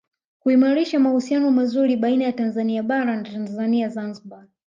Kuimarisha mahusiano mazuri baina ya Tanzania Bara na Tanzania Zanzibar